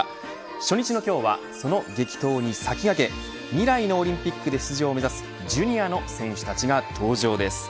初日の今日は、その激闘に先駆け未来のオリンピックで出場を目指すジュニアの選手たちが登場です。